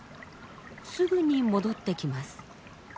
すぐに戻ってきます。